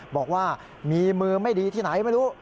บอกว่ามีมือไม่ดีที่ไหนไม่รู้